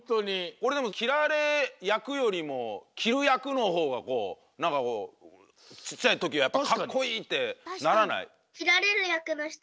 おれでもきられやくよりもきるやくのほうがなんかちっちゃいときやっぱかっこいいってならない？